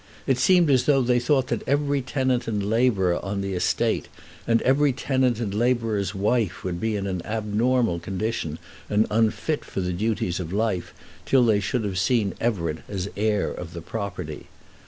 It seemed as though they thought that every tenant and labourer on the estate, and every tenant and labourer's wife, would be in an abnormal condition and unfit for the duties of life, till they should have seen Everett as heir of the property.